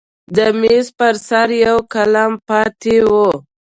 د میز پر سر یو قلم پاتې و.